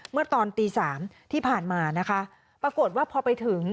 เมื่อตอนตีสามที่ผ่านมานะคะปรากฏว่าพอไปถึง